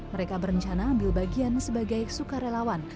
mereka berencana ambil bagian sebagai sukarelawan